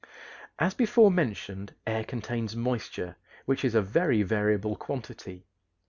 As before mentioned, air contains moisture, which is a very variable quantity.